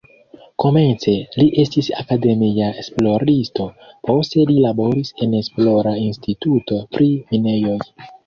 Komence li estis akademia esploristo, poste li laboris en esplora instituto pri minejoj.